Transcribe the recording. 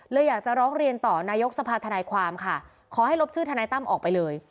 อยากจะร้องเรียนต่อนายกสภาธนายความค่ะขอให้ลบชื่อทนายตั้มออกไปเลย